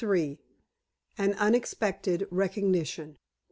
AN UNEXPECTED RECOGNITION.